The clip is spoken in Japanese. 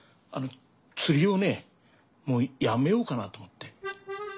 釣りをねもうやめようかなと思って。